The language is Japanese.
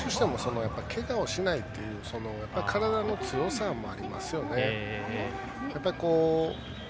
どれだけ練習してもけがをしないという体の強さもありますよね。